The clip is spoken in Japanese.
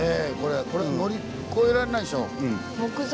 これ乗り越えられないでしょ。